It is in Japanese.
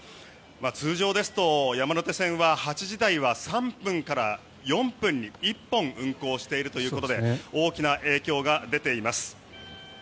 通常ですと山手線は８時台は３分から４分に１本運行しているということで大きな影響が出ています。